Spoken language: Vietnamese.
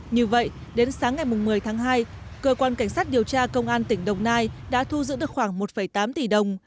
như vậy đến sáng ngày một mươi tháng hai cơ quan cảnh sát điều tra công an tỉnh đồng nai đã thu giữ được khoảng một tám tỷ đồng